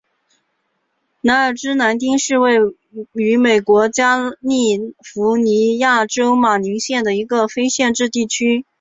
莱尔兹兰丁是位于美国加利福尼亚州马林县的一个非建制地区。